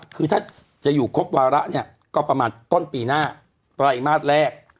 คือถ้าจะอยู่ครบวาระเนี่ยก็ประมาณต้นปีหน้าไตรมาสแรก